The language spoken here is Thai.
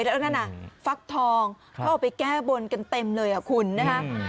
แล้วนั่นน่ะฟักทองเขาเอาไปแก้บนกันเต็มเลยอ่ะคุณนะฮะ